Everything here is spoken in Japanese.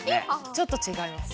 ちょっとちがいます。